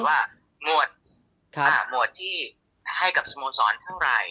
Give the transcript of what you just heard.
ถามมาว่าเห็นเป็นบริษัทให้จ่ายกับสโมสรเท่าไหร่